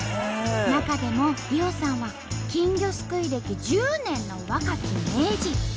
中でも莉緒さんは金魚すくい歴１０年の若き名人。